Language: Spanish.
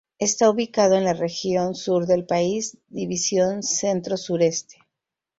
Está ubicado en la región Sur del país, división Centro Sureste.